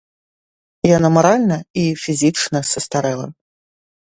Яна маральна і фізічна састарэла.